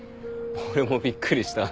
俺もびっくりした。